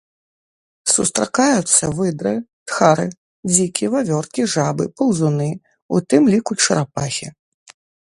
Сустракаюцца выдры, тхары, дзікі, вавёркі, жабы, паўзуны, у тым ліку чарапахі.